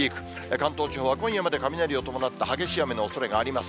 関東地方は今夜まで雷を伴った、激しい雨のおそれがあります。